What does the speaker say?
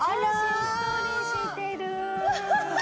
しっとりしてる！